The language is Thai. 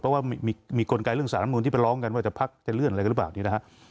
เพราะว่ามีคนไกลเรื่องสารน้ำมูลที่ไปร้องกันว่าจะพักจะเลื่อนอะไรหรือเปล่า